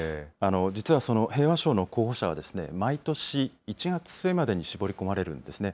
実はその平和賞の候補者は、毎年１月末までに絞り込まれるんですね。